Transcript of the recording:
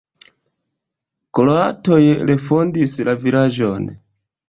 Kroatoj refondis la vilaĝon.